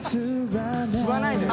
吸わないのよ。